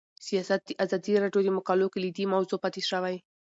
سیاست د ازادي راډیو د مقالو کلیدي موضوع پاتې شوی.